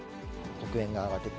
黒煙が上がってて、